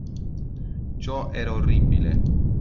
Ciò era orribile.